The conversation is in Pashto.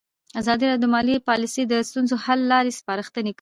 ازادي راډیو د مالي پالیسي د ستونزو حل لارې سپارښتنې کړي.